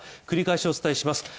繰り返しお伝えします。